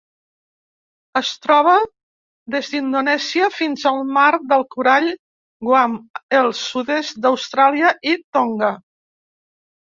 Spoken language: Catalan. Es troba des d'Indonèsia fins al Mar del Corall, Guam, el sud-est d'Austràlia i Tonga.